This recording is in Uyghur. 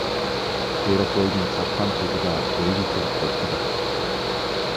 ئېرىق بويىدىن چاپقان پېتىدا ئۆيگە كېلىپ توختىدىم.